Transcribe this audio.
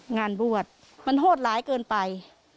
งานบวชมันโหดร้ายเกินไป